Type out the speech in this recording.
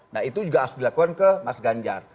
nah itu juga harus dilakukan ke mas ganjar